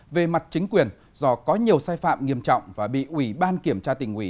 về mặt chính quyền do có nhiều sai phạm nghiêm trọng và bị ủy ban kiểm tra tỉnh ủy